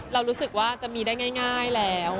เรารู้สึกว่าจะมีได้ง่ายแล้ว